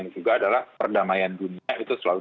juga adalah perdamaian dunia itu selalu